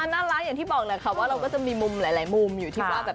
น่ารักอย่างที่บอกแหละค่ะว่าเราก็จะมีมุมหลายมุมอยู่ที่ว่าแบบ